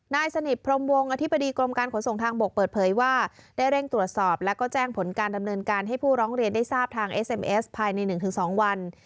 นายสนิทพรมวงอธิบดีกรมการขนส่งทางบกเปิดเผยว่าได้เร่งตรวจสอบแล้วก็แจ้งผลการดำเนินการให้ผู้ร้องเรียนได้ทราบทางเอสเอ็มเอสภายใน๑๒วัน